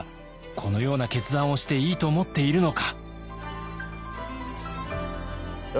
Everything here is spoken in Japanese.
このような決断をしていいと思っているのか」。